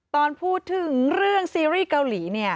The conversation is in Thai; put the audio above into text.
ตอนพูดถึงเรื่องซีรีส์เกาหลีเนี่ย